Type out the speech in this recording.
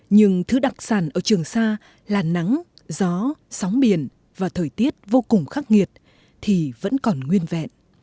nhưng thứ đặc sản ở trường sa là nắng gió sóng biển và thời tiết vô cùng khắc nghiệt thì vẫn còn nguyên vẹn